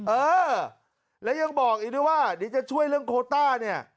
เออแล้วยังบอกอีกด้วยว่าเดี๋ยวจะช่วยเรื่องโคต้าเนี่ย